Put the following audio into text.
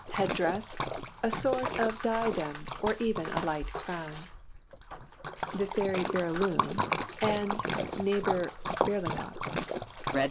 Head dress: a sort of diadem or even a light crown. THE FAIRY BÉRYLUNE and NEIGHBOUR BERLINGOT.